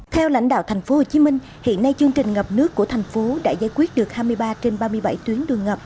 theo lãnh đạo thành phố hồ chí minh hiện nay chương trình ngập nước của thành phố đã giải quyết được hai mươi ba trên ba mươi bảy tuyến đường ngập